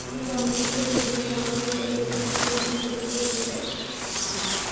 কিন্তু অনেক ক্ষেত্রে দীর্ঘদিন ব্যবহারের ফলে এটি ত্বকের জন্য ক্ষতিকর হতে পারে।